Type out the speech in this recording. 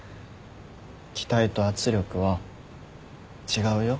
期待と圧力は違うよ。